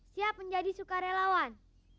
siap menjadi sukarelawan